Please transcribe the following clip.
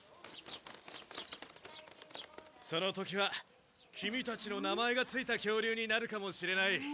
その時はキミたちの名前がついた恐竜になるかもしれない。